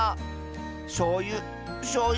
しょうゆしょうゆ